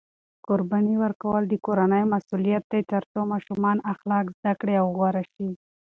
قرباني ورکول د کورنۍ مسؤلیت دی ترڅو ماشومان اخلاق زده کړي او غوره شي.